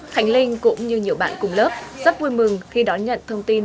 khánh linh cũng như nhiều bạn cùng lớp rất vui mừng khi đón nhận thông tin